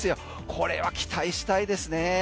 これは期待したいですね。